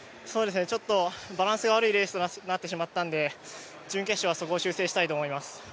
ちょっとバランスが悪いレースとなってしまいましたので、準決勝はそこを修正したいと思います。